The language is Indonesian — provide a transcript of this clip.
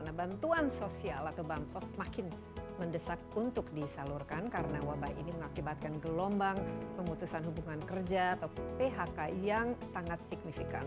nah bantuan sosial atau bansos semakin mendesak untuk disalurkan karena wabah ini mengakibatkan gelombang pemutusan hubungan kerja atau phk yang sangat signifikan